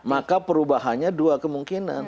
maka perubahannya dua kemungkinan